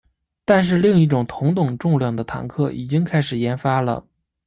但是另一种同等重量的坦克已经开始研发了。